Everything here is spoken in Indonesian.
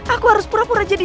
aku harus pura pura jadi